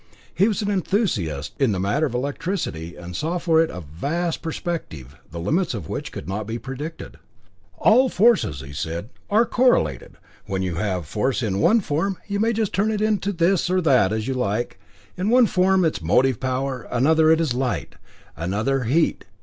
He was an enthusiast in the matter of electricity, and saw for it a vast perspective, the limits of which could not be predicted. "All forces," said he, "are correlated. When you have force in one form, you may just turn it into this or that, as you like. In one form it is motive power, in another it is light, in another heat.